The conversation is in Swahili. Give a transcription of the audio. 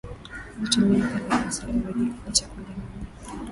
TumiaPilau masala Vijiko vya chakula nne